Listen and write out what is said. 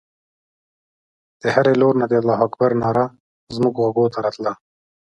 د هرې لور نه د الله اکبر ناره زموږ غوږو ته راتلله.